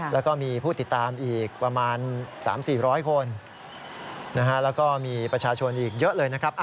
แล้วก็มีผู้ติดตามอีกประมาณ๓๔๐๐คนแล้วก็มีประชาชนอีกเยอะเลยนะครับ